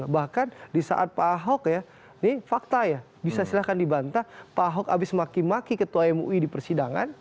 bahkan di saat pak ahok ya ini fakta ya bisa silahkan dibantah pak ahok habis maki maki ketua mui di persidangan